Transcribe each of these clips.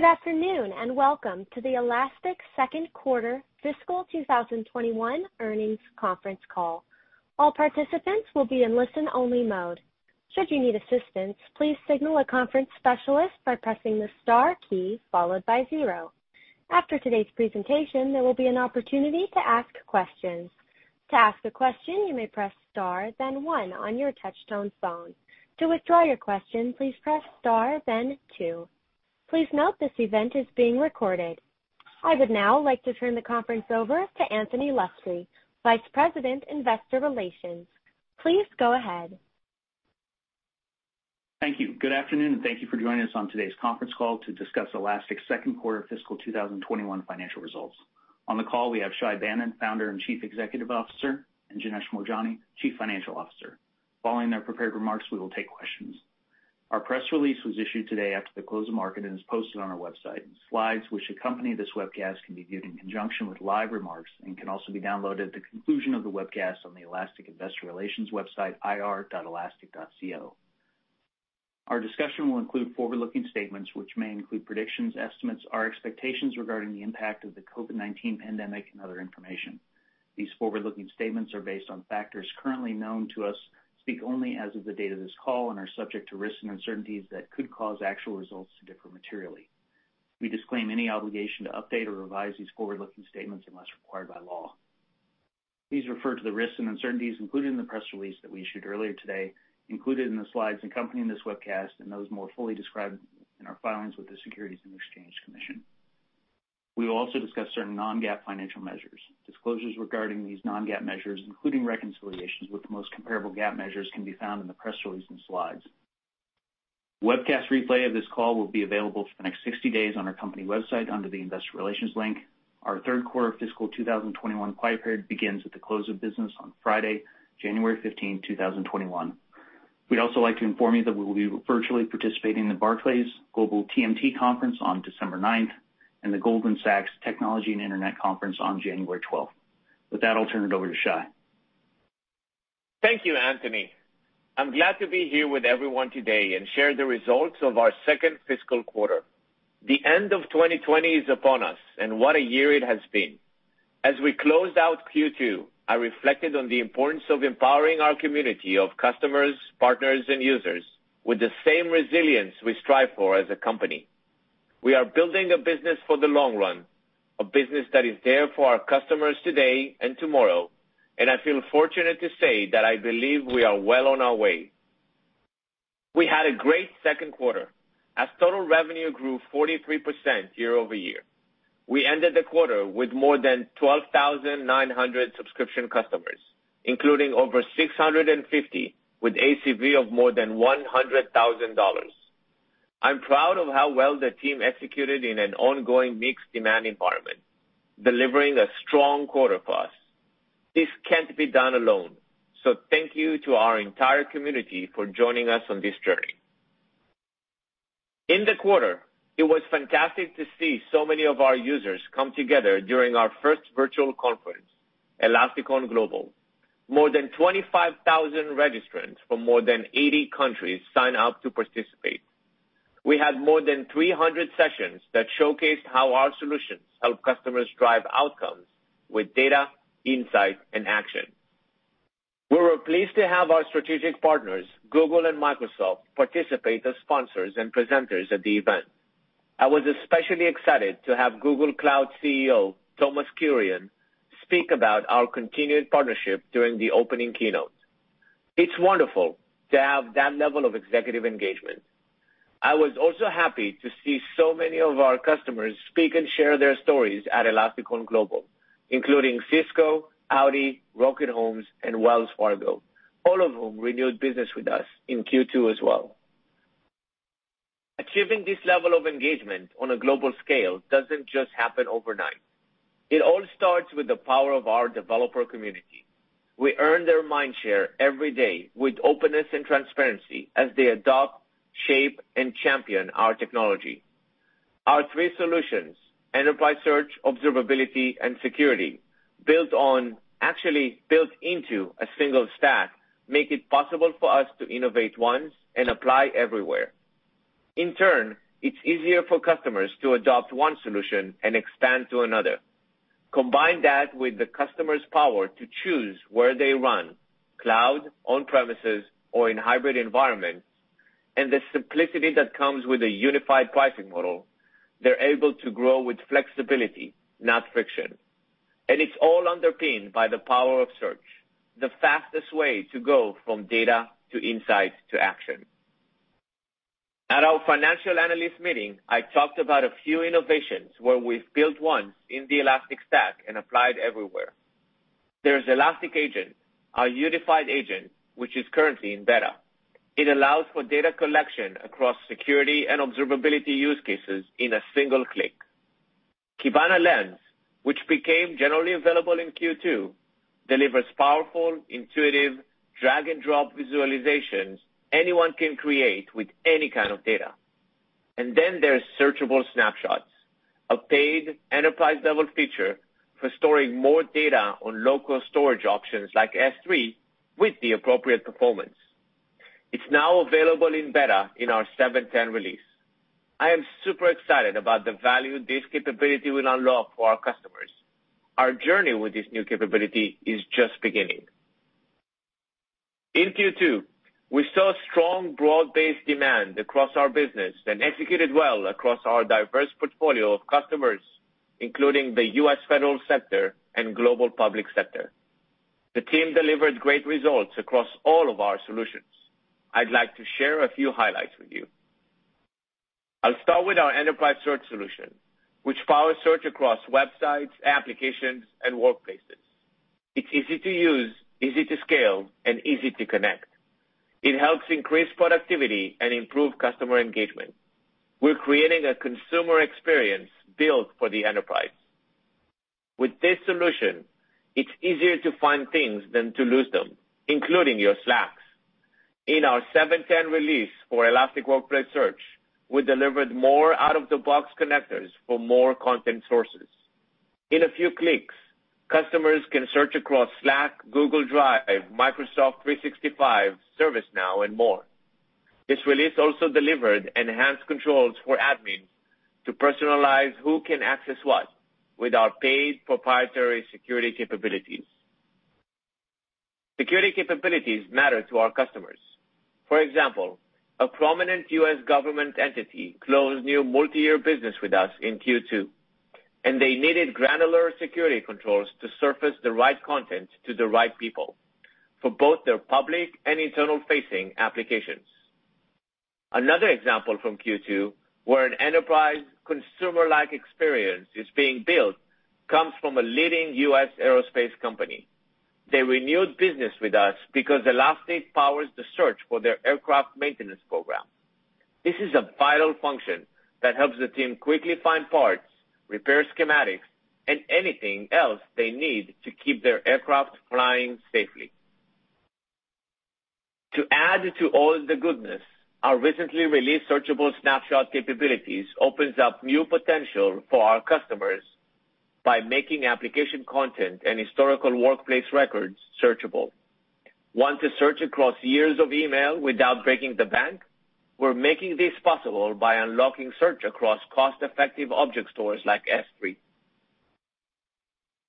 Good afternoon. Welcome to the Elastic second quarter fiscal 2021 earnings conference call. All participants will be in a listen-only mode. Should you need assistance, please signal the conference specialist by pressing the star key followed by zero. After today's presentation, there will be an opportunity to ask questions. To ask a question you may press star then one on your touch-tone phone. To withdraw your question please press star then two. Please note this event is being recorded. I would now like to turn the conference over to Anthony Luscri, Vice President, Investor Relations. Please go ahead. Thank you. Good afternoon, and thank you for joining us on today's conference call to discuss Elastic's second quarter fiscal 2021 financial results. On the call, we have Shay Banon, Chief Executive Officer, and Janesh Moorjani, Chief Financial Officer. Following their prepared remarks, we will take questions. Our press release was issued today after the close of market and is posted on our website. Slides which accompany this webcast can be viewed in conjunction with live remarks and can also be downloaded at the conclusion of the webcast on the Elastic Investor Relations website, ir.elastic.co. Our discussion will include forward-looking statements, which may include predictions, estimates, or expectations regarding the impact of the COVID-19 pandemic and other information. These forward-looking statements are based on factors currently known to us, speak only as of the date of this call, and are subject to risks and uncertainties that could cause actual results to differ materially. We disclaim any obligation to update or revise these forward-looking statements unless required by law. Please refer to the risks and uncertainties included in the press release that we issued earlier today, included in the slides accompanying this webcast, and those more fully described in our filings with the Securities and Exchange Commission. We will also discuss certain non-GAAP financial measures. Disclosures regarding these non-GAAP measures, including reconciliations with the most comparable GAAP measures can be found in the press release and slides. Webcast replay of this call will be available for the next 60 days on our company website under the Investor Relations link. Our third quarter fiscal 2021 quiet period begins at the close of business on Friday, January 15th, 2021. We'd also like to inform you that we will be virtually participating in the Barclays Global TMT Conference on December 9th and the Goldman Sachs Technology and Internet Conference on January 12th. With that, I'll turn it over to Shay. Thank you, Anthony. I'm glad to be here with everyone today and share the results of our second fiscal quarter. The end of 2020 is upon us, and what a year it has been. As we closed out Q2, I reflected on the importance of empowering our community of customers, partners, and users with the same resilience we strive for as a company. We are building a business for the long run, a business that is there for our customers today and tomorrow, and I feel fortunate to say that I believe we are well on our way. We had a great second quarter as total revenue grew 43% year-over-year. We ended the quarter with more than 12,900 subscription customers, including over 650 with ACV of more than $100,000. I'm proud of how well the team executed in an ongoing mixed demand environment, delivering a strong quarter for us. This can't be done alone, so thank you to our entire community for joining us on this journey. In the quarter, it was fantastic to see so many of our users come together during our first virtual conference, ElasticON Global. More than 25,000 registrants from more than 80 countries signed up to participate. We had more than 300 sessions that showcased how our solutions help customers drive outcomes with data, insight, and action. We were pleased to have our strategic partners, Google and Microsoft, participate as sponsors and presenters at the event. I was especially excited to have Google Cloud CEO, Thomas Kurian, speak about our continued partnership during the opening keynote. It's wonderful to have that level of executive engagement. I was also happy to see so many of our customers speak and share their stories at ElasticON Global, including Cisco, Audi, Rocket Homes, and Wells Fargo, all of whom renewed business with us in Q2 as well. Achieving this level of engagement on a global scale doesn't just happen overnight. It all starts with the power of our developer community. We earn their mind share every day with openness and transparency as they adopt, shape, and champion our technology. Our three solutions, enterprise search, observability, and security, actually built into a single stack, make it possible for us to innovate once and apply everywhere. In turn, it's easier for customers to adopt one solution and expand to another. Combine that with the customer's power to choose where they run, cloud, on premises, or in hybrid environments, and the simplicity that comes with a unified pricing model, they're able to grow with flexibility, not friction. It's all underpinned by the power of search, the fastest way to go from data to insight to action. At our financial analyst meeting, I talked about a few innovations where we've built once in the Elastic Stack and applied everywhere. There's Elastic Agent, our unified agent, which is currently in beta. It allows for data collection across security and observability use cases in a single click. Kibana Lens, which became generally available in Q2, delivers powerful, intuitive drag-and-drop visualizations anyone can create with any kind of data. Then there's searchable snapshots. It's now available in beta in our 7.10 release. I am super excited about the value this capability will unlock for our customers. Our journey with this new capability is just beginning. In Q2, we saw strong, broad-based demand across our business and executed well across our diverse portfolio of customers, including the U.S. federal sector and global public sector. The team delivered great results across all of our solutions. I'd like to share a few highlights with you. I'll start with our enterprise search solution, which powers search across websites, applications, and workplaces. It's easy to use, easy to scale, and easy to connect. It helps increase productivity and improve customer engagement. We're creating a consumer experience built for the enterprise. With this solution, it's easier to find things than to lose them, including your Slack. In our 7.10 release for Elastic Workplace Search, we delivered more out-of-the-box connectors for more content sources. In a few clicks, customers can search across Slack, Google Drive, Microsoft 365, ServiceNow, and more. This release also delivered enhanced controls for admins to personalize who can access what with our paid proprietary security capabilities. Security capabilities matter to our customers. For example, a prominent U.S. government entity closed new multi-year business with us in Q2, and they needed granular security controls to surface the right content to the right people for both their public and internal-facing applications. Another example from Q2, where an enterprise consumer-like experience is being built, comes from a leading U.S. aerospace company. They renewed business with us because Elastic powers the search for their aircraft maintenance program. This is a vital function that helps the team quickly find parts, repair schematics, and anything else they need to keep their aircraft flying safely. To add to all the goodness, our recently released searchable snapshots capabilities opens up new potential for our customers by making application content and historical workplace records searchable. Want to search across years of email without breaking the bank? We're making this possible by unlocking search across cost-effective object stores like S3.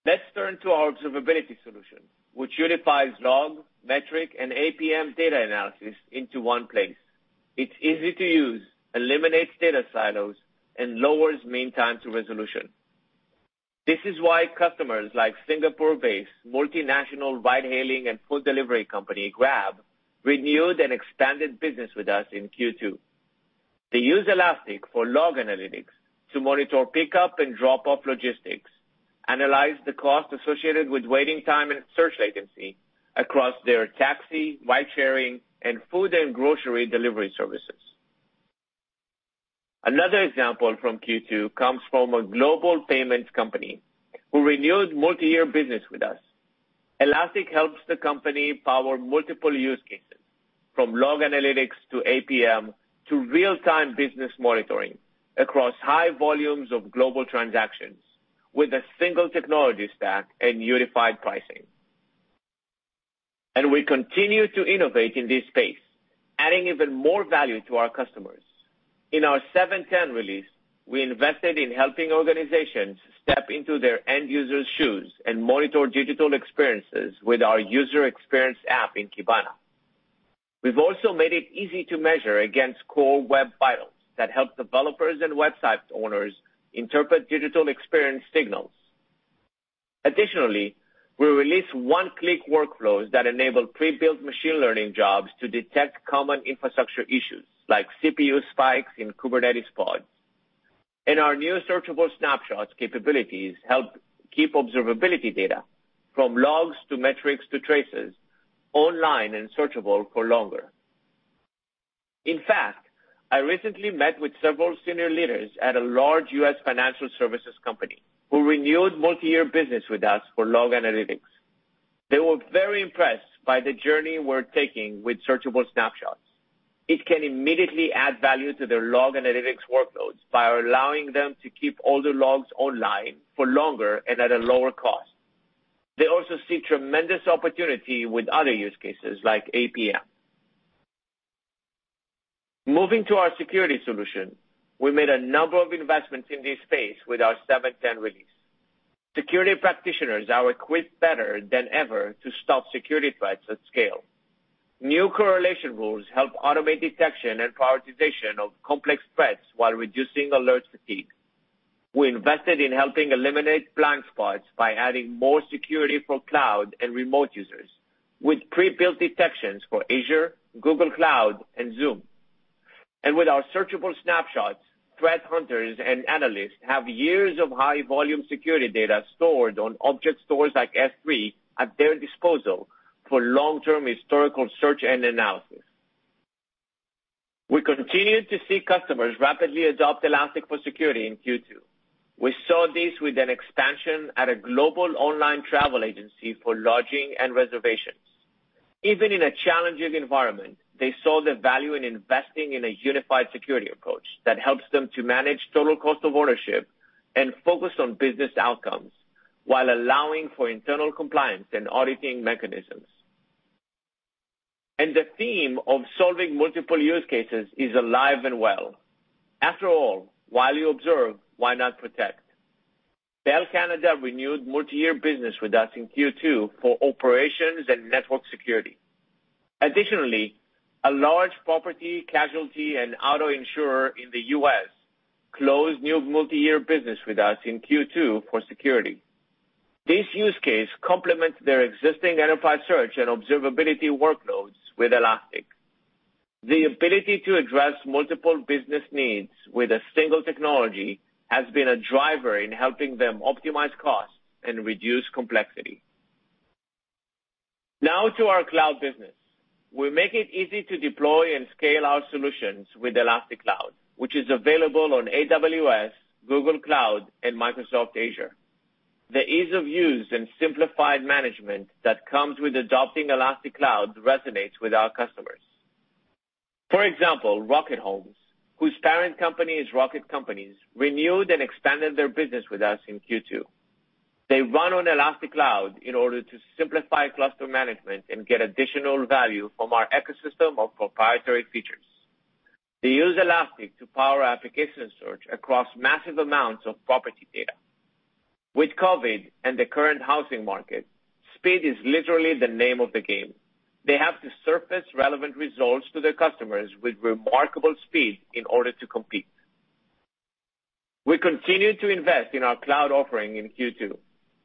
Let's turn to our observability solution, which unifies log, metric, and APM data analysis into one place. It's easy to use, eliminates data silos, and lowers mean time to resolution. This is why customers like Singapore-based multinational ride-hailing and food delivery company, Grab, renewed an expanded business with us in Q2. They use Elastic for log analytics to monitor pickup and drop-off logistics, analyze the cost associated with waiting time and search latency across their taxi, ride-sharing, and food and grocery delivery services. Another example from Q2 comes from a global payments company who renewed multi-year business with us. Elastic helps the company power multiple use cases, from log analytics to APM to real-time business monitoring across high volumes of global transactions with a single technology stack and unified pricing. We continue to innovate in this space, adding even more value to our customers. In our 7.10 release, we invested in helping organizations step into their end users' shoes and monitor digital experiences with our user experience app in Kibana. We've also made it easy to measure against Core Web Vitals that help developers and website owners interpret digital experience signals. Additionally, we release one-click workflows that enable pre-built machine learning jobs to detect common infrastructure issues like CPU spikes in Kubernetes pods. Our new searchable snapshots capabilities help keep observability data from logs to metrics to traces online and searchable for longer. In fact, I recently met with several senior leaders at a large U.S. financial services company who renewed multi-year business with us for log analytics. They were very impressed by the journey we're taking with searchable snapshots. It can immediately add value to their log analytics workloads by allowing them to keep all the logs online for longer and at a lower cost. They also see tremendous opportunity with other use cases like APM. Moving to our security solution, we made a number of investments in this space with our 7.10 release. Security practitioners are equipped better than ever to stop security threats at scale. New correlation rules help automate detection and prioritization of complex threats while reducing alert fatigue. We invested in helping eliminate blind spots by adding more security for cloud and remote users with pre-built detections for Azure, Google Cloud, and Zoom. With our searchable snapshots, threat hunters and analysts have years of high-volume security data stored on object stores like S3 at their disposal for long-term historical search and analysis. We continued to see customers rapidly adopt Elastic for security in Q2. We saw this with an expansion at a global online travel agency for lodging and reservations. Even in a challenging environment, they saw the value in investing in a unified security approach that helps them to manage total cost of ownership and focus on business outcomes while allowing for internal compliance and auditing mechanisms. The theme of solving multiple use cases is alive and well. After all, while you observe, why not protect? Bell Canada renewed multi-year business with us in Q2 for operations and network security. Additionally, a large property casualty and auto insurer in the U.S. closed new multi-year business with us in Q2 for security. This use case complements their existing enterprise search and observability workloads with Elastic. The ability to address multiple business needs with a single technology has been a driver in helping them optimize costs and reduce complexity. Now to our cloud business. We make it easy to deploy and scale our solutions with Elastic Cloud, which is available on AWS, Google Cloud, and Microsoft Azure. The ease of use and simplified management that comes with adopting Elastic Cloud resonates with our customers. For example, Rocket Homes, whose parent company is Rocket Companies, renewed and expanded their business with us in Q2. They run on Elastic Cloud in order to simplify cluster management and get additional value from our ecosystem of proprietary features. They use Elastic to power application search across massive amounts of property data. With COVID and the current housing market, speed is literally the name of the game. They have to surface relevant results to their customers with remarkable speed in order to compete. We continue to invest in our cloud offering in Q2.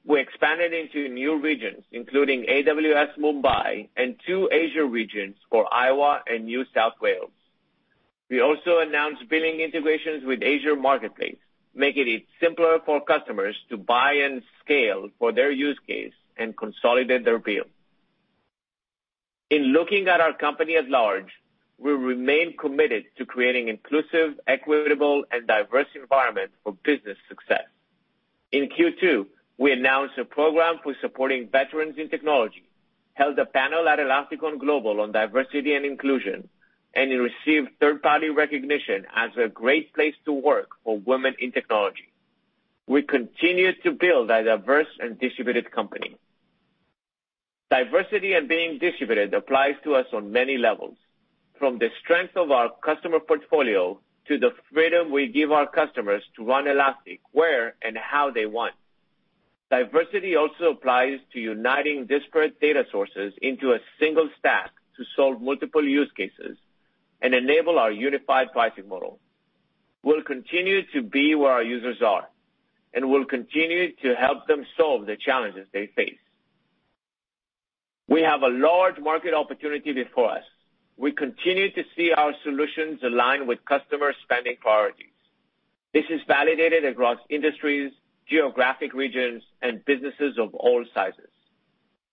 We expanded into new regions, including AWS Mumbai and two Azure regions for Iowa and New South Wales. We also announced billing integrations with Azure Marketplace, making it simpler for customers to buy and scale for their use case and consolidate their bill. In looking at our company at large, we remain committed to creating inclusive, equitable, and diverse environment for business success. In Q2, we announced a program for supporting veterans in technology, held a panel at ElasticON Global on diversity and inclusion, and received third-party recognition as a great place to work for women in technology. We continue to build a diverse and distributed company. Diversity and being distributed applies to us on many levels, from the strength of our customer portfolio to the freedom we give our customers to run Elastic, where and how they want. Diversity also applies to uniting disparate data sources into a single stack to solve multiple use cases and enable our unified pricing model. We'll continue to be where our users are, and we'll continue to help them solve the challenges they face. We have a large market opportunity before us. We continue to see our solutions align with customer spending priorities. This is validated across industries, geographic regions, and businesses of all sizes.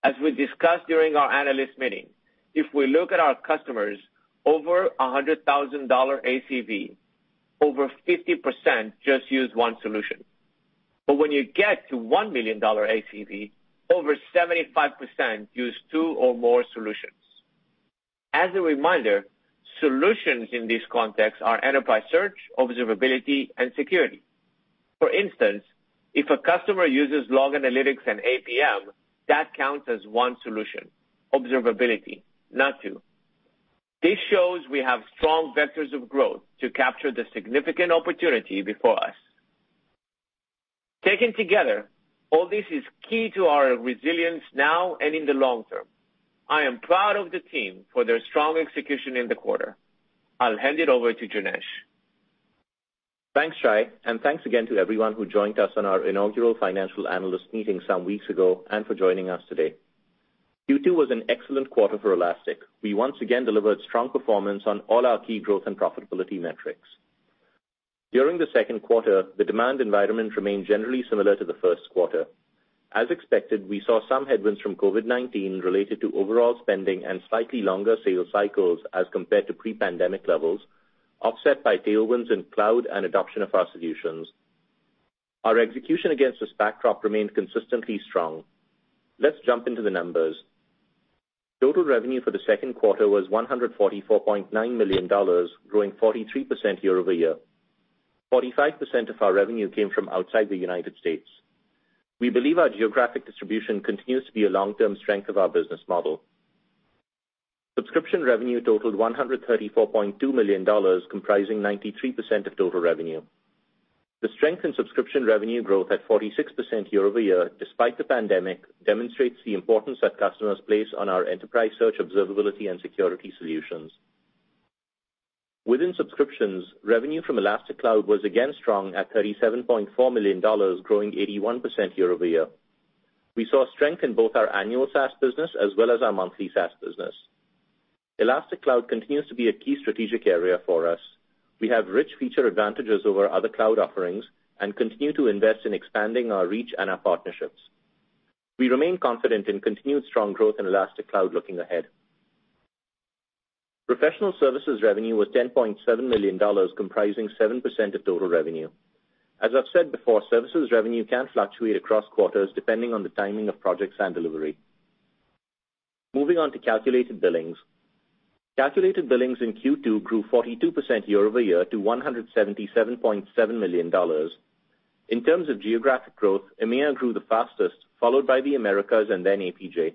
As we discussed during our analyst meeting, if we look at our customers over $100,000 ACV, over 50% just use one solution. When you get to $1 million ACV, over 75% use two or more solutions. As a reminder, solutions in this context are Enterprise Search, Observability, and Security. For instance, if a customer uses log analytics and APM, that counts as one solution, Observability, not two. This shows we have strong vectors of growth to capture the significant opportunity before us. Taken together, all this is key to our resilience now and in the long term. I am proud of the team for their strong execution in the quarter. I'll hand it over to Janesh. Thanks, Shay, and thanks again to everyone who joined us on our inaugural financial analyst meeting some weeks ago and for joining us today. Q2 was an excellent quarter for Elastic. We once again delivered strong performance on all our key growth and profitability metrics. During the second quarter, the demand environment remained generally similar to the first quarter. As expected, we saw some headwinds from COVID-19 related to overall spending and slightly longer sales cycles as compared to pre-pandemic levels, offset by tailwinds in cloud and adoption of our solutions. Our execution against this backdrop remained consistently strong. Let's jump into the numbers. Total revenue for the second quarter was $144.9 million, growing 43% year-over-year. 45% of our revenue came from outside the United States. We believe our geographic distribution continues to be a long-term strength of our business model. Subscription revenue totaled $134.2 million, comprising 93% of total revenue. The strength in subscription revenue growth at 46% year-over-year, despite the pandemic, demonstrates the importance that customers place on our enterprise search, observability, and security solutions. Within subscriptions, revenue from Elastic Cloud was again strong at $37.4 million, growing 81% year-over-year. We saw strength in both our annual SaaS business as well as our monthly SaaS business. Elastic Cloud continues to be a key strategic area for us. We have rich feature advantages over other cloud offerings and continue to invest in expanding our reach and our partnerships. We remain confident in continued strong growth in Elastic Cloud looking ahead. Professional services revenue was $10.7 million, comprising 7% of total revenue. As I've said before, services revenue can fluctuate across quarters depending on the timing of projects and delivery. Moving on to calculated billings. Calculated billings in Q2 grew 42% year-over-year to $177.7 million. In terms of geographic growth, EMEA grew the fastest, followed by the Americas, and then APJ.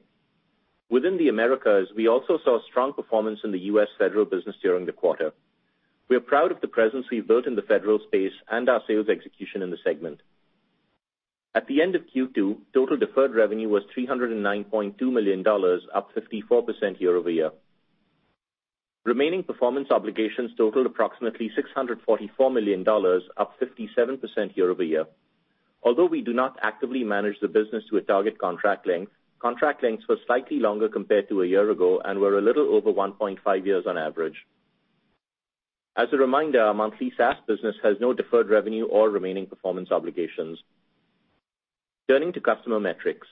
Within the Americas, we also saw strong performance in the U.S. federal business during the quarter. We are proud of the presence we've built in the federal space and our sales execution in the segment. At the end of Q2, total deferred revenue was $309.2 million, up 54% year-over-year. Remaining performance obligations totaled approximately $644 million, up 57% year-over-year. Although we do not actively manage the business to a target contract length, contract lengths were slightly longer compared to a year ago and were a little over 1.5 years on average. As a reminder, our monthly SaaS business has no deferred revenue or remaining performance obligations. Turning to customer metrics.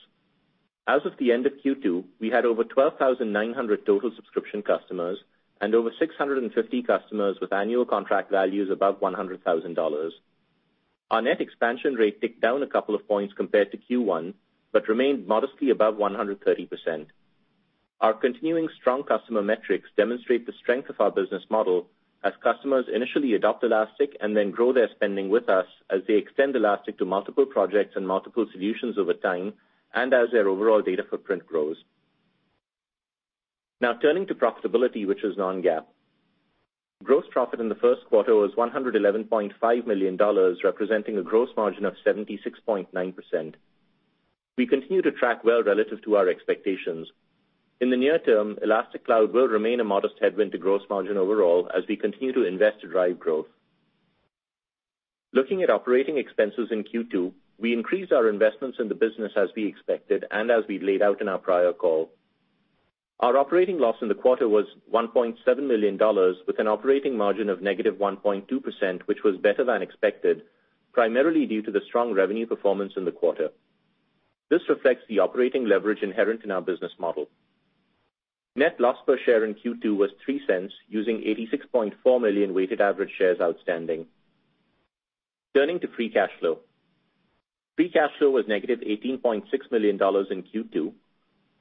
As of the end of Q2, we had over 12,900 total subscription customers and over 650 customers with annual contract values above $100,000. Our net expansion rate ticked down a couple of points compared to Q1, but remained modestly above 130%. Our continuing strong customer metrics demonstrate the strength of our business model as customers initially adopt Elastic and then grow their spending with us as they extend Elastic to multiple projects and multiple solutions over time, and as their overall data footprint grows. Now turning to profitability, which is non-GAAP. Gross profit in the first quarter was $111.5 million, representing a gross margin of 76.9%. We continue to track well relative to our expectations. In the near term, Elastic Cloud will remain a modest headwind to gross margin overall as we continue to invest to drive growth. Looking at operating expenses in Q2, we increased our investments in the business as we expected and as we laid out in our prior call. Our operating loss in the quarter was $1.7 million with an operating margin of negative 1.2%, which was better than expected, primarily due to the strong revenue performance in the quarter. This reflects the operating leverage inherent in our business model. Net loss per share in Q2 was $0.03, using 86.4 million weighted average shares outstanding. Turning to free cash flow. Free cash flow was negative $18.6 million in Q2.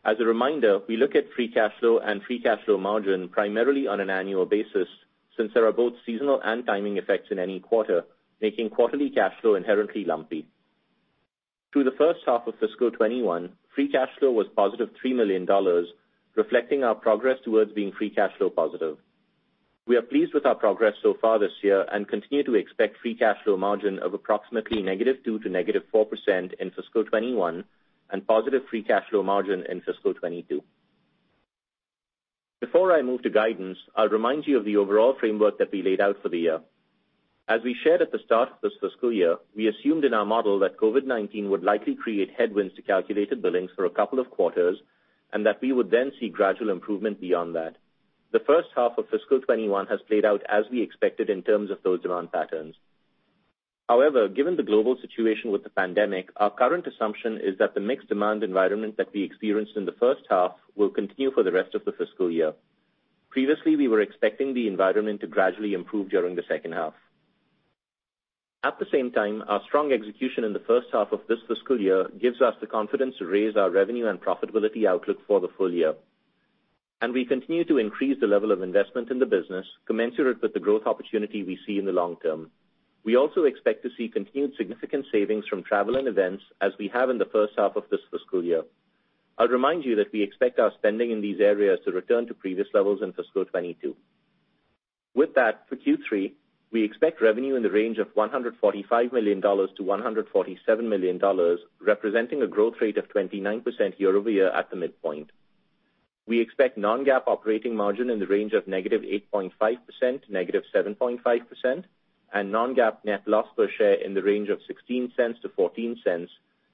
As a reminder, we look at free cash flow and free cash flow margin primarily on an annual basis since there are both seasonal and timing effects in any quarter, making quarterly cash flow inherently lumpy. Through the first half of fiscal 2021, free cash flow was positive $3 million, reflecting our progress towards being free cash flow positive. We are pleased with our progress so far this year and continue to expect free cash flow margin of approximately -2% to -4% in fiscal 2021 and positive free cash flow margin in fiscal 2022. Before I move to guidance, I'll remind you of the overall framework that we laid out for the year. As we shared at the start of this fiscal year, we assumed in our model that COVID-19 would likely create headwinds to calculated billings for a couple of quarters, and that we would then see gradual improvement beyond that. The first half of fiscal 2021 has played out as we expected in terms of those demand patterns. Given the global situation with the pandemic, our current assumption is that the mixed demand environment that we experienced in the first half will continue for the rest of the fiscal year. Previously, we were expecting the environment to gradually improve during the second half. Our strong execution in the first half of this fiscal year gives us the confidence to raise our revenue and profitability outlook for the full year. We continue to increase the level of investment in the business commensurate with the growth opportunity we see in the long term. We also expect to see continued significant savings from travel and events as we have in the first half of this fiscal year. I'll remind you that we expect our spending in these areas to return to previous levels in fiscal 2022. With that, for Q3, we expect revenue in the range of $145 million-$147 million, representing a growth rate of 29% year-over-year at the midpoint. We expect non-GAAP operating margin in the range of -8.5% to -7.5%, and non-GAAP net loss per share in the range of $0.16-$0.14,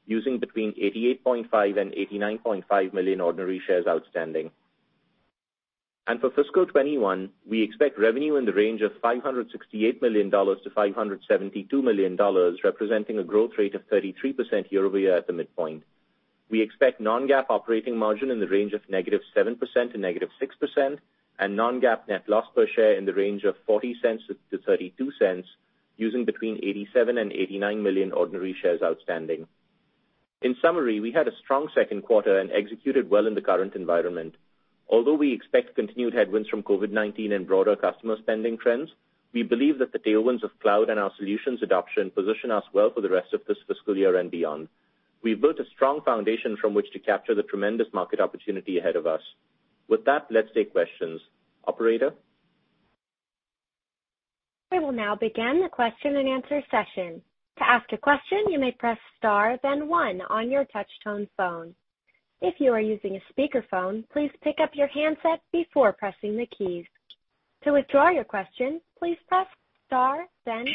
using between 88.5 and 89.5 million ordinary shares outstanding. For fiscal 2021, we expect revenue in the range of $568 million-$572 million, representing a growth rate of 33% year-over-year at the midpoint. We expect non-GAAP operating margin in the range of -7% to -6%, and non-GAAP net loss per share in the range of $0.40-$0.32, using between 87 and 89 million ordinary shares outstanding. In summary, we had a strong second quarter and executed well in the current environment. Although we expect continued headwinds from COVID-19 and broader customer spending trends, we believe that the tailwinds of cloud and our solutions adoption position us well for the rest of this fiscal year and beyond. We've built a strong foundation from which to capture the tremendous market opportunity ahead of us. With that, let's take questions. Operator? We will now begin the question-and-answer session. To ask a question, you may press star then one on your touch tone phone. If you are using a speakerphone, please pick up your handset before pressing the keys. To withdraw your question, please press star then.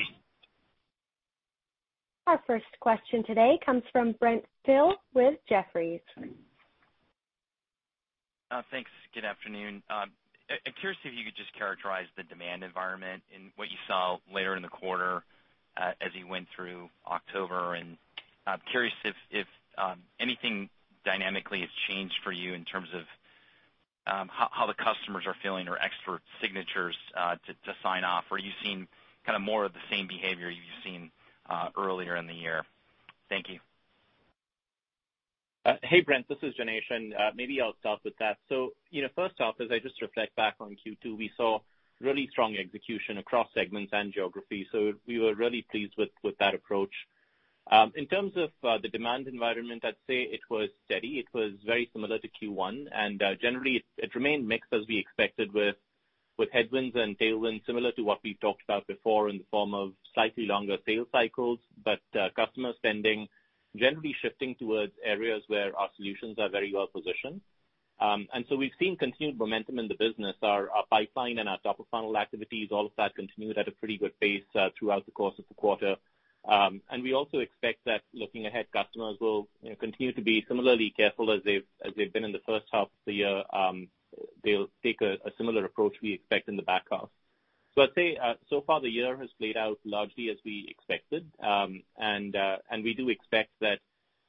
Our first question today comes from Brent Thill with Jefferies. Thanks. Good afternoon. I'm curious if you could just characterize the demand environment and what you saw later in the quarter As you went through October, and I'm curious if anything dynamically has changed for you in terms of how the customers are feeling or extra signatures to sign off, or are you seeing more of the same behavior you've seen earlier in the year? Thank you. Hey, Brent, this is Janesh. Maybe I'll start with that. First off, as I just reflect back on Q2, we saw really strong execution across segments and geography. We were really pleased with that approach. In terms of the demand environment, I'd say it was steady. It was very similar to Q1, and generally, it remained mixed as we expected, with headwinds and tailwinds, similar to what we've talked about before in the form of slightly longer sales cycles, but customer spending generally shifting towards areas where our solutions are very well-positioned. We've seen continued momentum in the business. Our pipeline and our top-of-funnel activities, all of that continued at a pretty good pace throughout the course of the quarter. We also expect that looking ahead, customers will continue to be similarly careful as they've been in the first half of the year. They'll take a similar approach, we expect, in the back half. I'd say so far the year has played out largely as we expected. We do expect that,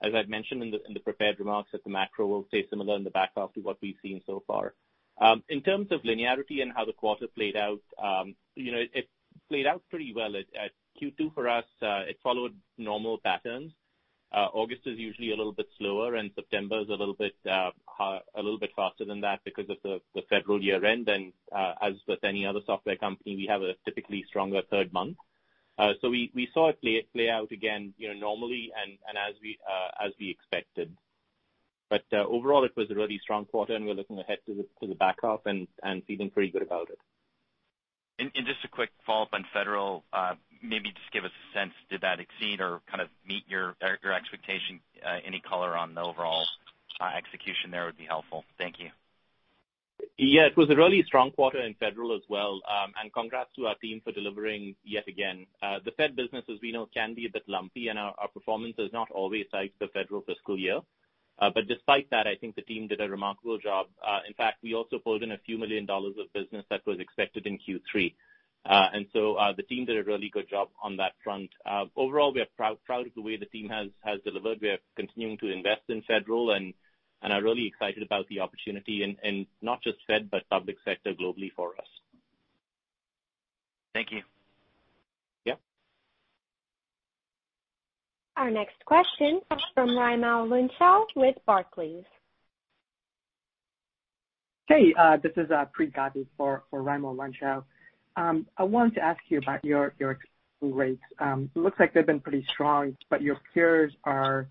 as I've mentioned in the prepared remarks, that the macro will stay similar in the back half to what we've seen so far. In terms of linearity and how the quarter played out, it played out pretty well. Q2 for us, it followed normal patterns. August is usually a little bit slower, and September's a little bit faster than that because of the federal year-end, and as with any other software company, we have a typically stronger third month. We saw it play out again normally and as we expected. Overall, it was a really strong quarter, and we're looking ahead to the back half and feeling pretty good about it. Just a quick follow-up on Federal. Maybe just give us a sense, did that exceed or kind of meet your expectation? Any color on the overall execution there would be helpful. Thank you. Yeah. It was a really strong quarter in federal as well. Congrats to our team for delivering yet again. The Fed business, as we know, can be a bit lumpy, and our performance is not always tied to the federal fiscal year. Despite that, I think the team did a remarkable job. In fact, we also pulled in a few million dollars of business that was expected in Q3. The team did a really good job on that front. Overall, we are proud of the way the team has delivered. We are continuing to invest in federal and are really excited about the opportunity in not just Fed, but public sector globally for us. Thank you. Yeah. Our next question comes from Raimo Lenschow with Barclays. Hey, this is Pree Gadey for Raimo Lenschow. I wanted to ask you about your rates. It looks like they've been pretty strong, but your peers are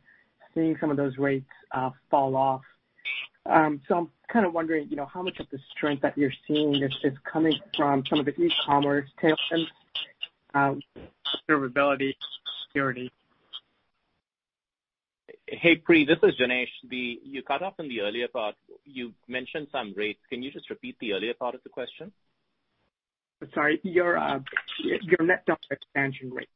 seeing some of those rates fall off. I'm kind of wondering how much of the strength that you're seeing is just coming from some of the e-commerce tailwinds, observability, security? Hey, Pree, this is Janesh. You cut off in the earlier part. You mentioned some rates. Can you just repeat the earlier part of the question? Sorry. Your net expansion rate.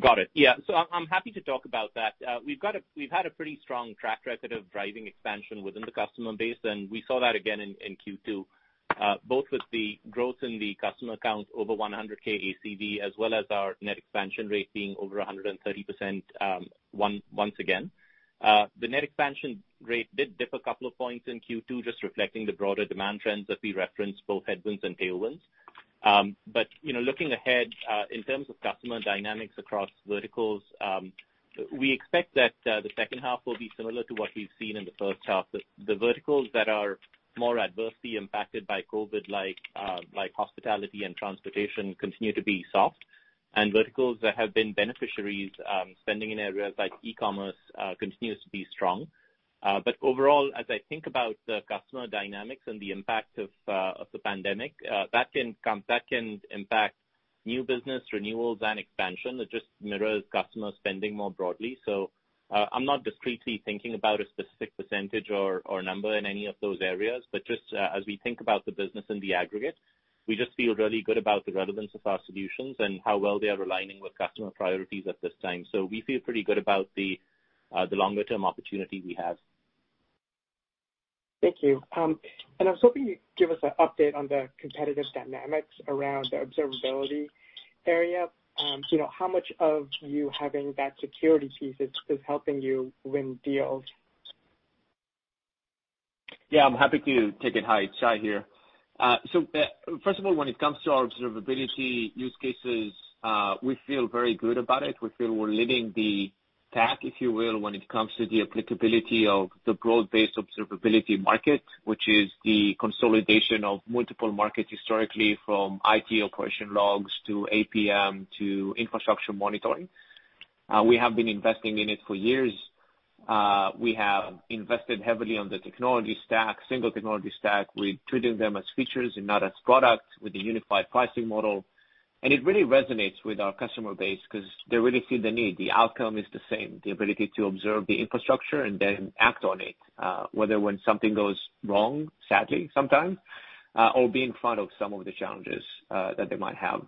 Got it. Yeah. I'm happy to talk about that. We've had a pretty strong track record of driving expansion within the customer base, and we saw that again in Q2, both with the growth in the customer count over 100K ACV as well as our net expansion rate being over 130% once again. The net expansion rate did dip a couple of points in Q2, just reflecting the broader demand trends that we referenced, both headwinds and tailwinds. Looking ahead, in terms of customer dynamics across verticals, we expect that the second half will be similar to what we've seen in the first half. The verticals that are more adversely impacted by COVID, like hospitality and transportation, continue to be soft, and verticals that have been beneficiaries, spending in areas like e-commerce continues to be strong. Overall, as I think about the customer dynamics and the impact of the pandemic, that can impact new business renewals and expansion. It just mirrors customer spending more broadly. I'm not discreetly thinking about a specific percentage or number in any of those areas. Just as we think about the business in the aggregate, we just feel really good about the relevance of our solutions and how well they are aligning with customer priorities at this time. We feel pretty good about the longer-term opportunity we have. Thank you. I was hoping you'd give us an update on the competitive dynamics around the observability area. How much of you having that security piece is helping you win deals? Yeah, I'm happy to take it. Hi, it's Shay here. First of all, when it comes to our observability use cases, we feel very good about it. We feel we're leading the pack, if you will, when it comes to the applicability of the broad-based observability market, which is the consolidation of multiple markets historically, from IT operation logs to APM to infrastructure monitoring. We have been investing in it for years. We have invested heavily on the technology stack, single technology stack. We're treating them as features and not as products with a unified pricing model. It really resonates with our customer base because they really see the need. The outcome is the same, the ability to observe the infrastructure and then act on it, whether when something goes wrong, sadly sometimes, or being front of some of the challenges that they might have.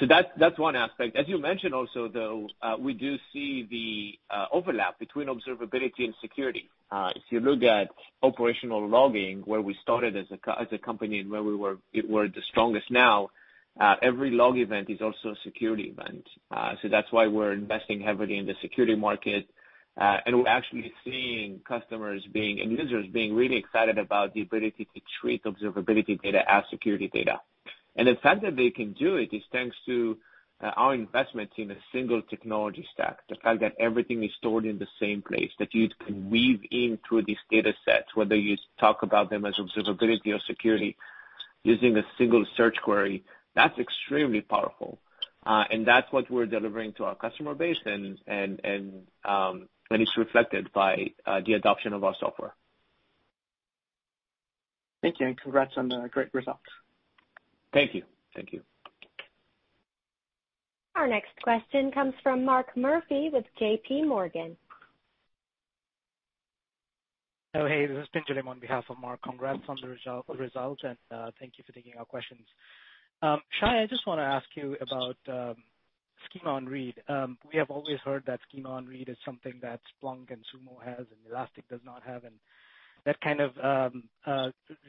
That's one aspect. As you mentioned also, though, we do see the overlap between observability and security. If you look at operational logging, where we started as a company and where we were the strongest now, every log event is also a security event. That's why we're investing heavily in the security market. We're actually seeing customers being, and users being really excited about the ability to treat observability data as security data. The fact that they can do it is thanks to our investments in a single technology stack. The fact that everything is stored in the same place, that you can weave in through these data sets, whether you talk about them as observability or security, using a single search query, that's extremely powerful. That's what we're delivering to our customer base, and it's reflected by the adoption of our software. Thank you, and congrats on the great results. Thank you. Our next question comes from Mark Murphy with JPMorgan. Oh, hey. This is Pinjalim on behalf of Mark. Congrats on the results, and thank you for taking our questions. Shay, I just want to ask you about schema on read. We have always heard that schema on read is something that Splunk and Sumo has and Elastic does not have, and that kind of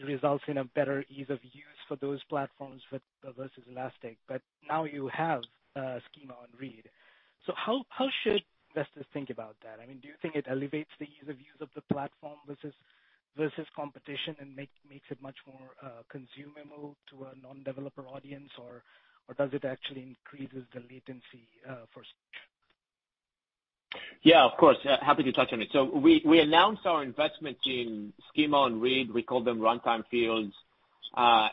results in a better ease of use for those platforms versus Elastic. Now you have schema on read. How should investors think about that? Do you think it elevates the ease of use of the platform versus competition and makes it much more consumable to a non-developer audience, or does it actually increases the latency for search? Yeah, of course. Happy to talk to you. We announced our investment in schema on read, we call them runtime fields,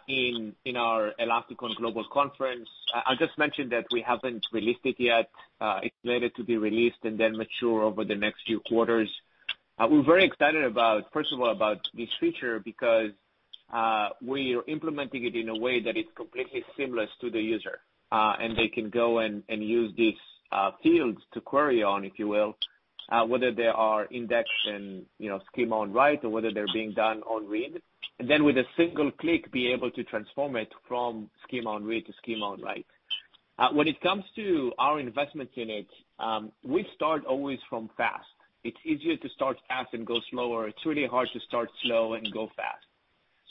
in our ElasticON Global Conference. I just mentioned that we haven't released it yet. It is slated to be released and then mature over the next few quarters. We are very excited, first of all, about this feature because we are implementing it in a way that is completely seamless to the user. They can go and use these fields to query on, if you will, whether they are indexed and schema on write or whether they are being done on read. Then with a single click, be able to transform it from schema on read to schema on write. When it comes to our investments in it, we start always from fast. It is easier to start fast than go slower. It's really hard to start slow and go fast.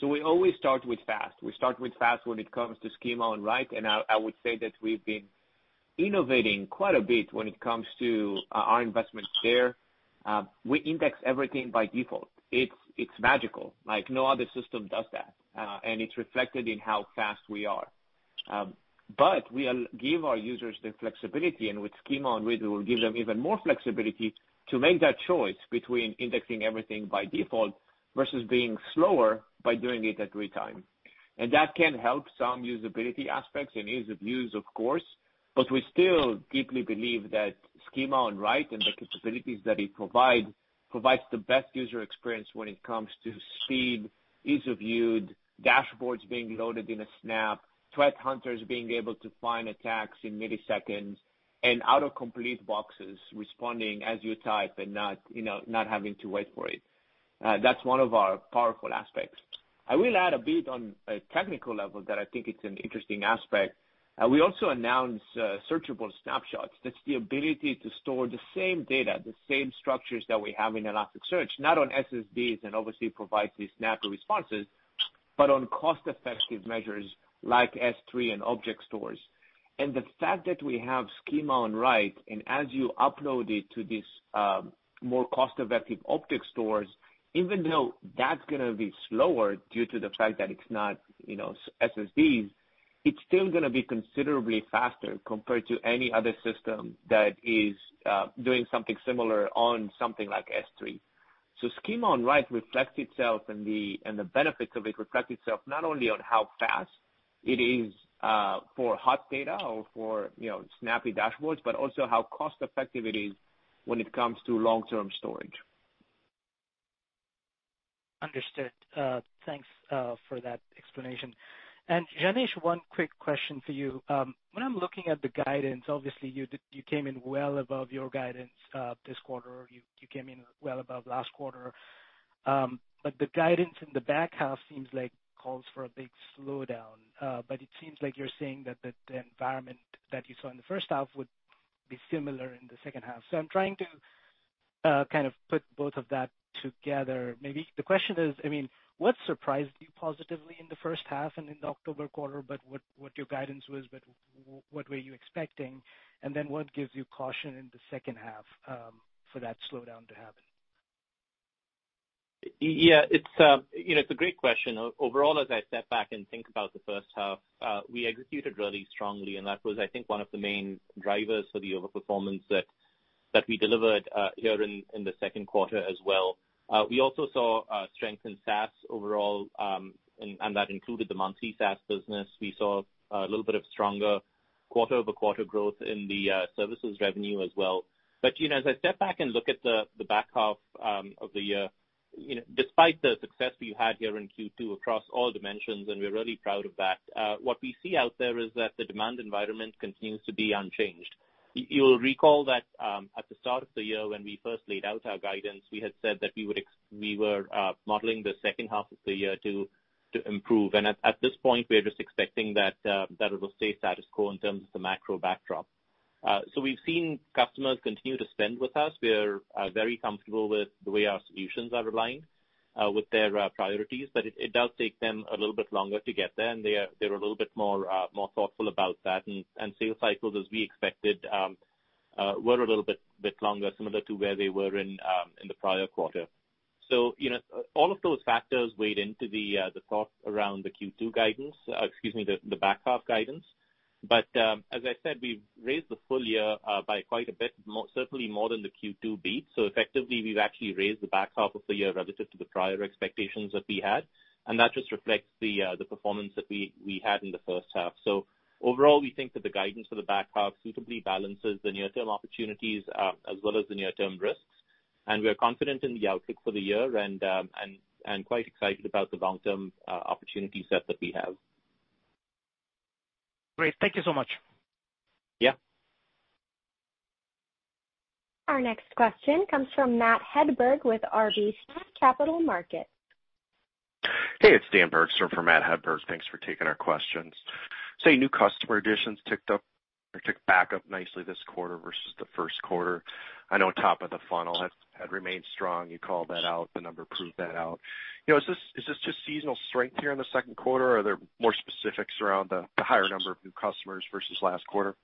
We always start with fast. We start with fast when it comes to schema-on-write, and I would say that we've been innovating quite a bit when it comes to our investments there. We index everything by default. It's magical. No other system does that, and it's reflected in how fast we are. But we give our users the flexibility, and with schema-on-read, we will give them even more flexibility to make that choice between indexing everything by default versus being slower by doing it at read time. That can help some usability aspects and ease of use, of course, but we still deeply believe that schema-on-write and the capabilities that it provides the best user experience when it comes to speed, ease of viewed, dashboards being loaded in a snap, threat hunters being able to find attacks in milliseconds, and auto-complete boxes responding as you type and not having to wait for it. That's one of our powerful aspects. I will add a bit on a technical level that I think it's an interesting aspect. We also announced searchable snapshots. That's the ability to store the same data, the same structures that we have in Elasticsearch, not on SSDs, and obviously it provides these snappy responses, but on cost-effective measures like S3 and object stores. The fact that we have schema-on-write, and as you upload it to these more cost-effective object stores, even though that's going to be slower due to the fact that it's not SSDs, it's still going to be considerably faster compared to any other system that is doing something similar on something like S3. Schema-on-write reflects itself, and the benefits of it reflect itself not only on how fast it is for hot data or for snappy dashboards, but also how cost-effective it is when it comes to long-term storage. Understood. Thanks for that explanation. Janesh, one quick question for you. When I'm looking at the guidance, obviously, you came in well above your guidance, this quarter. You came in well above last quarter. The guidance in the back half seems like calls for a big slowdown. It seems like you're saying that the environment that you saw in the first half would be similar in the second half. I'm trying to kind of put both of that together. Maybe the question is, what surprised you positively in the first half and in the October quarter, but what your guidance was, but what were you expecting? Then what gives you caution in the second half, for that slowdown to happen? Yeah. It's a great question. Overall, as I step back and think about the first half, we executed really strongly, and that was, I think, one of the main drivers for the over-performance that we delivered here in the second quarter as well. We also saw strength in SaaS overall, and that included the monthly SaaS business. We saw a little bit of stronger quarter-over-quarter growth in the services revenue as well. As I step back and look at the back half of the year, despite the success we've had here in Q2 across all dimensions, and we're really proud of that, what we see out there is that the demand environment continues to be unchanged. You'll recall that at the start of the year when we first laid out our guidance, we had said that we were modeling the second half of the year to improve. At this point, we're just expecting that it'll stay status quo in terms of the macro backdrop. We've seen customers continue to spend with us. We're very comfortable with the way our solutions are aligned with their priorities, but it does take them a little bit longer to get there, and they're a little bit more thoughtful about that. Sales cycles, as we expected, were a little bit longer, similar to where they were in the prior quarter. All of those factors weighed into the thought around the Q2 guidance, excuse me, the back half guidance. As I said, we've raised the full year by quite a bit, certainly more than the Q2 beat. Effectively, we've actually raised the back half of the year relative to the prior expectations that we had, and that just reflects the performance that we had in the first half. Overall, we think that the guidance for the back half suitably balances the near-term opportunities as well as the near-term risks. We're confident in the outlook for the year and quite excited about the long-term opportunity set that we have. Great. Thank you so much. Yeah. Our next question comes from Matt Hedberg with RBC Capital Markets. Hey, it's Dan Bergstrom for Matthew Hedberg. Thanks for taking our questions. Your new customer additions ticked back up nicely this quarter versus the first quarter. I know top of the funnel had remained strong. You called that out. The number proved that out. Is this just seasonal strength here in the second quarter, or are there more specifics around the higher number of new customers versus last quarter?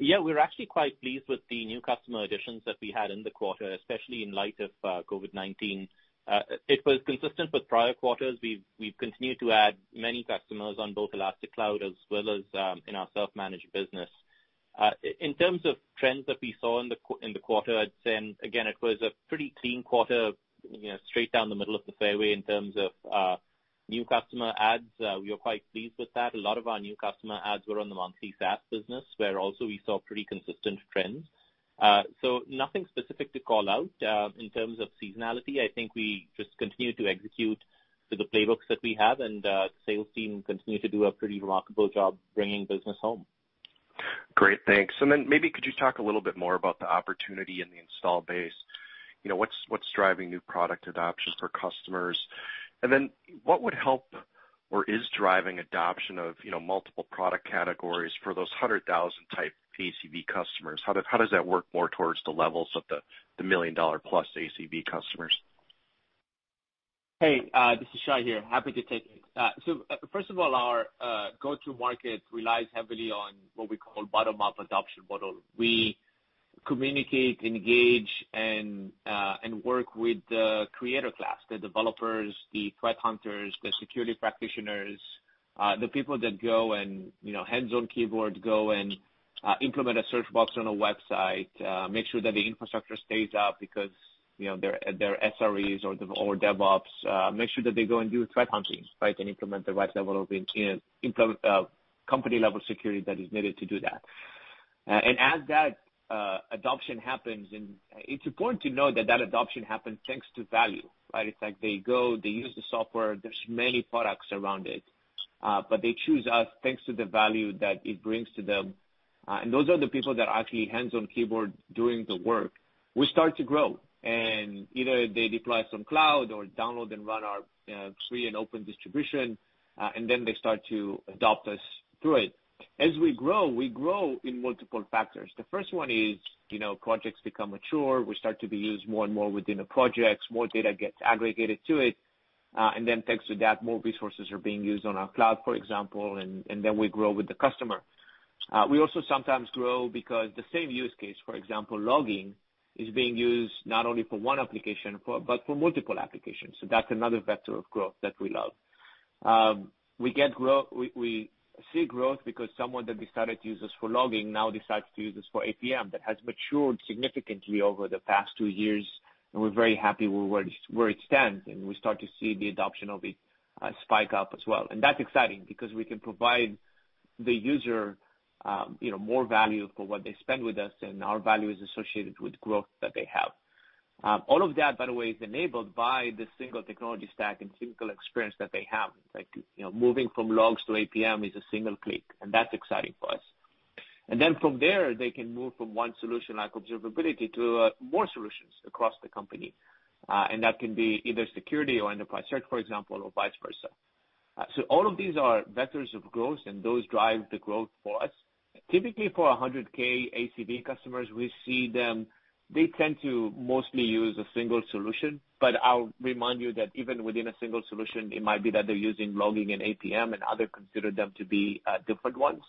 Yeah. We're actually quite pleased with the new customer additions that we had in the quarter, especially in light of COVID-19. It was consistent with prior quarters. We've continued to add many customers on both Elastic Cloud as well as in our self-managed business. In terms of trends that we saw in the quarter, I'd say, again, it was a pretty clean quarter, straight down the middle of the fairway in terms of new customer adds. We are quite pleased with that. A lot of our new customer adds were on the monthly SaaS business, where also we saw pretty consistent trends. Nothing specific to call out. In terms of seasonality, I think we just continue to execute to the playbooks that we have, and the sales team continue to do a pretty remarkable job bringing business home. Great. Thanks. Maybe could you talk a little bit more about the opportunity in the install base. What's driving new product adoption for customers? What would help or is driving adoption of multiple product categories for those 100,000 type ACV customers? How does that work more towards the levels of the $1 million-plus ACV customers? Hey, this is Shay here. Happy to take it. First of all, our go-to-market relies heavily on what we call bottom-up adoption model. We communicate, engage, and work with the creator class, the developers, the threat hunters, the security practitioners, the people that go and hands on keyboard go and implement a search box on a website, make sure that the infrastructure stays up because their SREs or DevOps make sure that they go and do threat hunting, right? Implement the right level of company-level security that is needed to do that. As that adoption happens, it's important to know that that adoption happens thanks to value, right? It's like they go, they use the software. There's many products around it. They choose us thanks to the value that it brings to them. Those are the people that are actually hands on keyboard doing the work. We start to grow, and either they deploy some cloud or download and run our free and open distribution, and then they start to adopt us through it. As we grow, we grow in multiple factors. The first one is projects become mature. We start to be used more and more within the projects. More data gets aggregated to it. Thanks to that, more resources are being used on our cloud, for example, and then we grow with the customer. We also sometimes grow because the same use case, for example, logging, is being used not only for one application but for multiple applications. That's another vector of growth that we love. We see growth because someone that decided to use us for logging now decides to use us for APM. That has matured significantly over the past two years, and we're very happy where it stands, and we start to see the adoption of it spike up as well. That's exciting because we can provide the user more value for what they spend with us, and our value is associated with growth that they have. All of that, by the way, is enabled by the single technology stack and single experience that they have. Moving from logs to APM is a single click, and that's exciting for us. From there, they can move from one solution like observability to more solutions across the company. That can be either security or enterprise search, for example, or vice versa. All of these are vectors of growth, and those drive the growth for us. Typically, for 100K ACV customers, we see them, they tend to mostly use a single solution. I'll remind you that even within a single solution, it might be that they're using logging and APM, and others consider them to be different ones.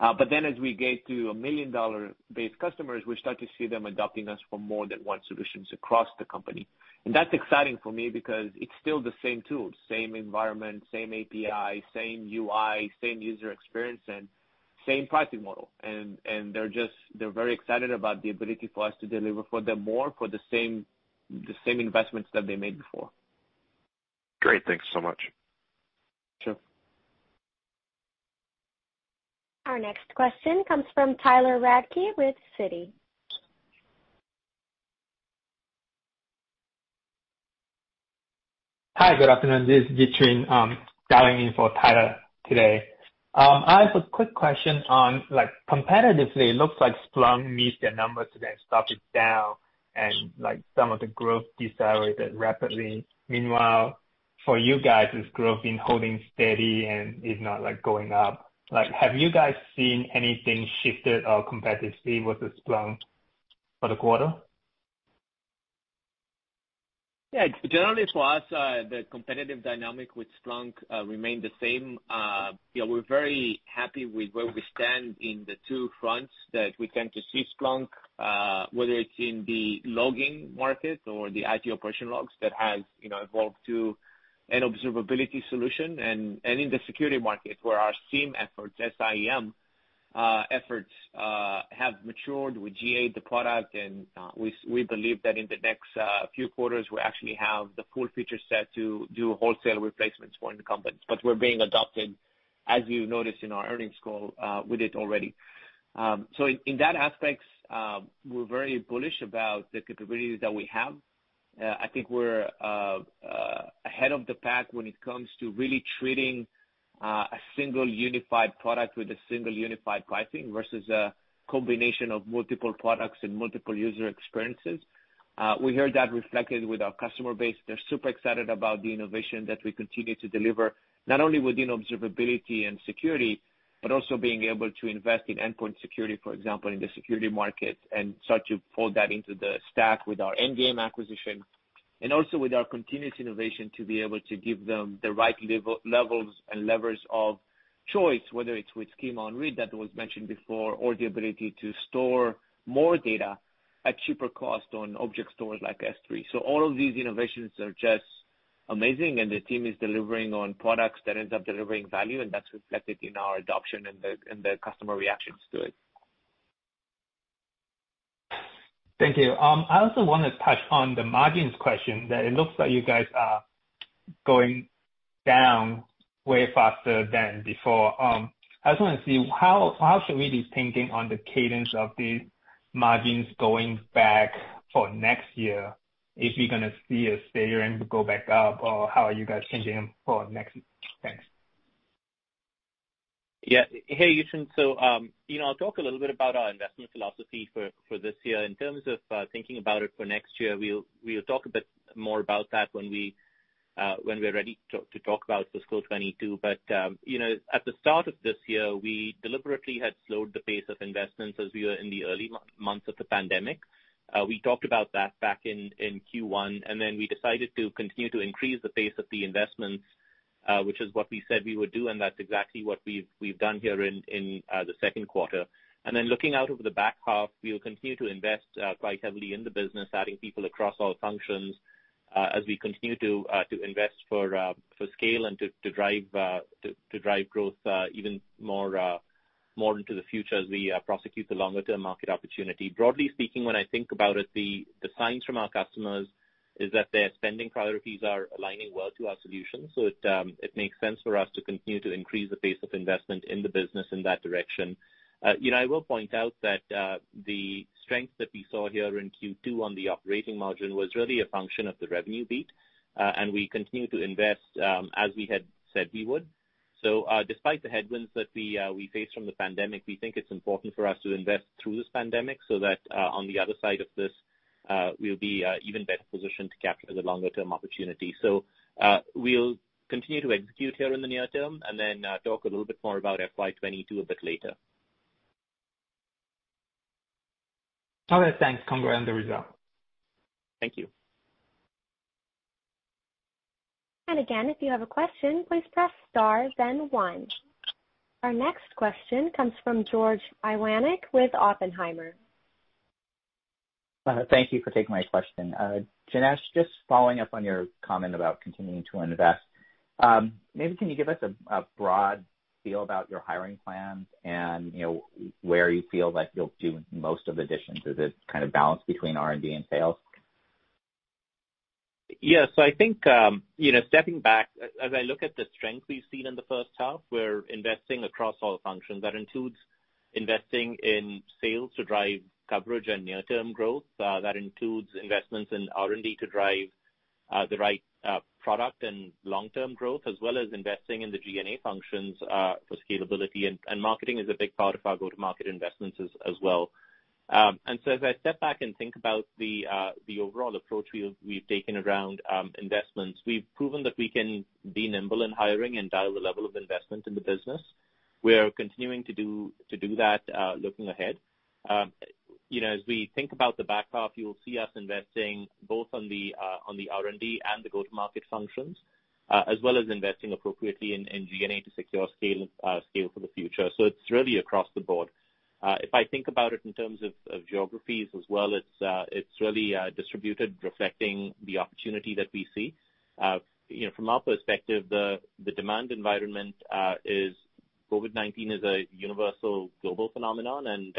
As we get to a million-dollar base customers, we start to see them adopting us for more than one solutions across the company. That's exciting for me because it's still the same tools, same environment, same API, same UI, same user experience, and same pricing model. They're very excited about the ability for us to deliver for them more for the same investments that they made before. Great. Thanks so much. Sure. Our next question comes from Tyler Radke with Citi. Hi, good afternoon. This is Yichun, dialing in for Tyler today. I have a quick question on, competitively, it looks like Splunk missed their numbers today and stock is down, some of the growth decelerated rapidly. Meanwhile, for you guys, is growth been holding steady and is not going up? Have you guys seen anything shifted or competitively with Splunk for the quarter? Generally for us, the competitive dynamic with Splunk remains the same. We're very happy with where we stand in the two fronts that we tend to see Splunk, whether it's in the logging market or the IT operation logs that has evolved to an observability solution. In the security market, where our SIEM efforts, S-I-E-M, efforts have matured. We GA'd the product, we believe that in the next few quarters, we'll actually have the full feature set to do wholesale replacements for incumbents. We're being adopted, as you noticed in our earnings call, with it already. In that aspect, we're very bullish about the capabilities that we have. I think we're ahead of the pack when it comes to really treating a single unified product with a single unified pricing versus a combination of multiple products and multiple user experiences. We heard that reflected with our customer base. They're super excited about the innovation that we continue to deliver, not only within observability and security, but also being able to invest in endpoint security, for example, in the security market, start to fold that into the stack with our Endgame acquisition. Also with our continuous innovation, to be able to give them the right levels and levers of choice, whether it's with schema-on-read that was mentioned before, or the ability to store more data at cheaper cost on object stores like S3. All of these innovations are just amazing, and the team is delivering on products that ends up delivering value, and that's reflected in our adoption and the customer reactions to it. Thank you. I also want to touch on the margins question, that it looks like you guys are going down way faster than before. I just want to see, how should we be thinking on the cadence of these margins going back for next year, if you're going to see a steady trend go back up, or how are you guys changing for next? Thanks. Yeah. Hey, Yichun. I'll talk a little bit about our investment philosophy for this year. In terms of thinking about it for next year, we'll talk a bit more about that when we're ready to talk about fiscal 2022. At the start of this year, we deliberately had slowed the pace of investments as we were in the early months of the pandemic. We talked about that back in Q1, we decided to continue to increase the pace of the investments, which is what we said we would do, and that's exactly what we've done here in the second quarter. Looking out over the back half, we'll continue to invest quite heavily in the business, adding people across all functions as we continue to invest for scale and to drive growth even more into the future as we prosecute the longer-term market opportunity. Broadly speaking, when I think about it, the signs from our customers is that their spending priorities are aligning well to our solutions. It makes sense for us to continue to increase the pace of investment in the business in that direction. I will point out that the strength that we saw here in Q2 on the operating margin was really a function of the revenue beat. We continue to invest as we had said we would. Despite the headwinds that we face from the pandemic, we think it's important for us to invest through this pandemic so that on the other side of this, we'll be even better positioned to capture the longer-term opportunity. We'll continue to execute here in the near term and then talk a little bit more about FY 2022 a bit later. Okay, thanks. Congrats on the result. Thank you. Again, if you have a question, please press star, then one. Our next question comes from George Iwanyc with Oppenheimer. Thank you for taking my question. Janesh, just following up on your comment about continuing to invest. Maybe can you give us a broad feel about your hiring plans and where you feel like you'll do most of the additions? Is it kind of balanced between R&D and sales? Yeah. I think, stepping back, as I look at the strength we've seen in the first half, we're investing across all functions. That includes investing in sales to drive coverage and near-term growth. That includes investments in R&D to drive the right product and long-term growth, as well as investing in the G&A functions for scalability, and marketing is a big part of our go-to-market investments as well. As I step back and think about the overall approach we've taken around investments, we've proven that we can be nimble in hiring and dial the level of investment in the business. We're continuing to do that looking ahead. As we think about the back half, you'll see us investing both on the R&D and the go-to-market functions, as well as investing appropriately in G&A to secure scale for the future. It's really across the board. If I think about it in terms of geographies as well, it's really distributed, reflecting the opportunity that we see. From our perspective, the demand environment COVID-19 is a universal global phenomenon, and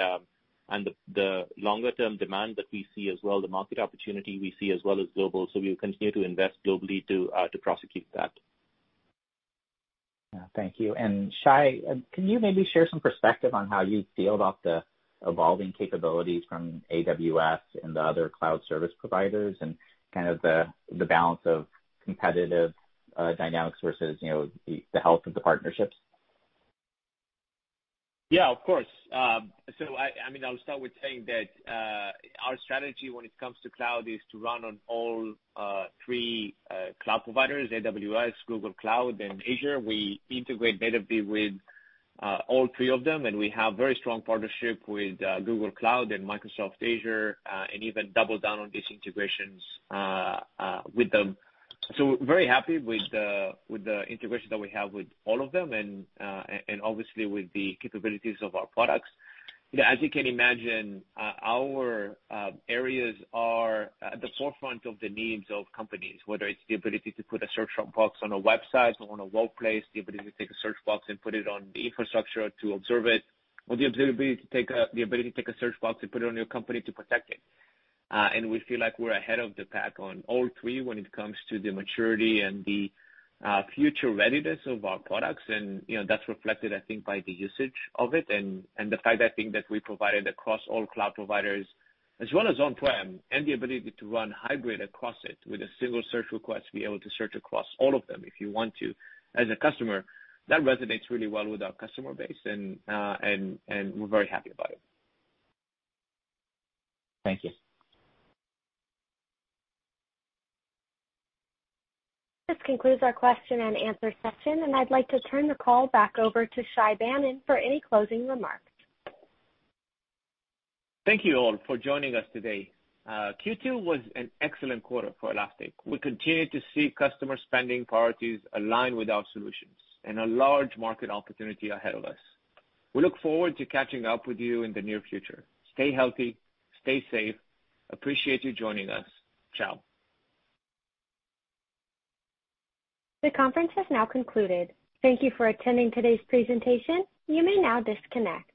the longer-term demand that we see as well, the market opportunity we see as well, is global. We'll continue to invest globally to prosecute that. Thank you. Shay, can you maybe share some perspective on how you feel about the evolving capabilities from AWS and the other cloud service providers and the balance of competitive dynamics versus the health of the partnerships? Yeah, of course. I'll start with saying that our strategy when it comes to cloud is to run on all three cloud providers, AWS, Google Cloud, and Azure. We integrate natively with all three of them, and we have very strong partnership with Google Cloud and Microsoft Azure, and even double down on these integrations with them. We're very happy with the integration that we have with all of them and obviously with the capabilities of our products. As you can imagine, our areas are at the forefront of the needs of companies, whether it's the ability to put a search box on a website or on a workplace, the ability to take a search box and put it on the infrastructure to observe it, or the ability to take a search box and put it on your company to protect it. We feel like we're ahead of the pack on all three when it comes to the maturity and the future readiness of our products. That's reflected, I think, by the usage of it, and the fact, I think, that we provide it across all cloud providers as well as on-prem, and the ability to run hybrid across it with a single search request, to be able to search across all of them if you want to. As a customer, that resonates really well with our customer base, and we're very happy about it. Thank you. This concludes our question-and-answer session. I'd like to turn the call back over to Shay Banon for any closing remarks. Thank you all for joining us today. Q2 was an excellent quarter for Elastic. We continue to see customer spending priorities align with our solutions and a large market opportunity ahead of us. We look forward to catching up with you in the near future. Stay healthy, stay safe. Appreciate you joining us. Ciao. The conference has now concluded. Thank you for attending today's presentation. You may now disconnect.